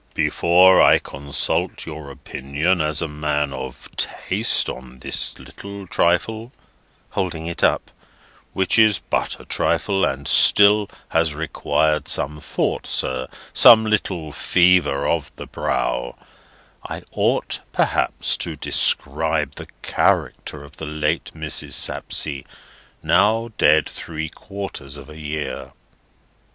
"Before I consult your opinion as a man of taste on this little trifle"—holding it up—"which is but a trifle, and still has required some thought, sir, some little fever of the brow, I ought perhaps to describe the character of the late Mrs. Sapsea, now dead three quarters of a year."